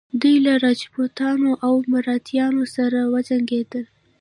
دوی له راجپوتانو او مراتیانو سره وجنګیدل.